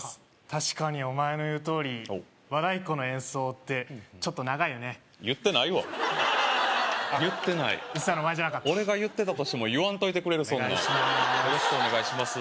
確かにお前の言うとおりおっ和太鼓の演奏ってちょっと長いよね言ってないわ言ってない言ってたのお前じゃなかった俺が言ったとしても言わんといてお願いしまーす